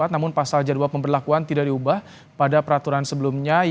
namun pasal jadwal pemberlakuan tidak diubah pada peraturan sebelumnya